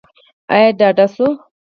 ایا ډاډه شوئ؟